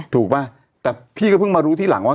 ป่ะแต่พี่ก็เพิ่งมารู้ทีหลังว่า